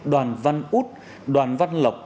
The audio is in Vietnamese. đoàn văn úc đoàn văn lộc